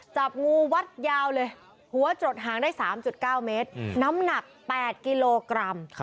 จับงูวัดยาวเลยหัวจรดหางได้สามจุดเก้าเมตรน้ำหนักแปดกิโลกรัม